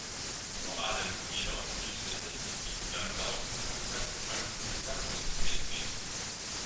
Vor allem jedoch richtete sich die gesamte Aufmerksamkeit auf ein Besatzungsmitglied.